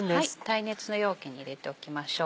耐熱の容器に入れておきましょう。